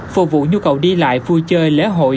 phục vụ nhu cầu đi lại vui chơi lễ hội